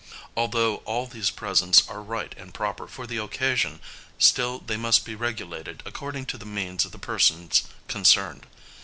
Although all these presents are right and proper for the occasion, still they must be regulated according to the means of the persons concerned.